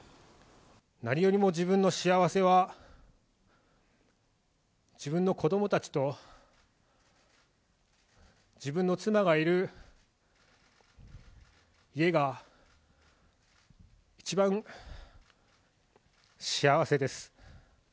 何よりも自分の幸せは、自分の子どもたちと自分の妻がいる家が一番幸せです。